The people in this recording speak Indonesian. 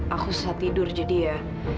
aku susah tidur jadi ya